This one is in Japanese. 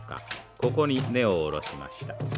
ここに根を下ろしました。